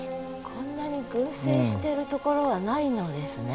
こんなに群生してるところはないのですね？